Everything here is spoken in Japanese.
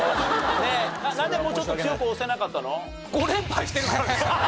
なんでもうちょっと強く推せなかったの？